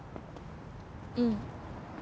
うん。